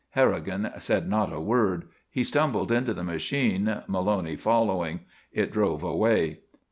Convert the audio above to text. Harrigan said not a word. He stumbled into the machine, Maloney following. It drove away.